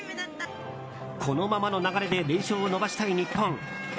このままの流れで連勝を伸ばしたい日本。